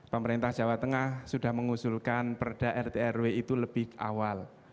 pemerintah jawa tengah sudah mengusulkan perda rtrw itu lebih awal